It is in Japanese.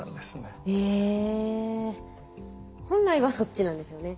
本来はそっちなんですよね。